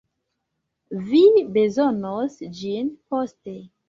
Vi bezonos ĝin poste.